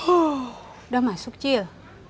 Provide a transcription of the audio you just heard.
udah masuk cil